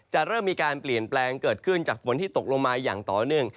จะเริ่มมีการเปลี่ยนแปลงเกิดขึ้นจากฝนที่ตกลงมาอย่างต่อเนื่อง